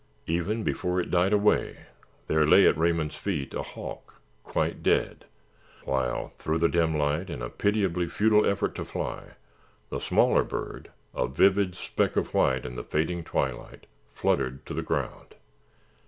Even before it died away there lay at Raymond's feet a hawk, quite dead, while through the dim light in a pitiably futile effort to fly, the smaller bird, a vivid speck of white in the fading twilight, fluttered to the ground.